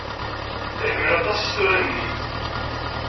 Iḥemmel aṭas isura-nni.